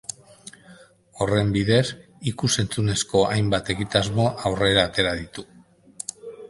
Horren bidez, ikus-entzunezko hainbat egitasmo aurrera atera ditu.